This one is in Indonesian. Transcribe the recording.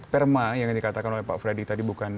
perma yang dikatakan oleh pak freddy tadi bukan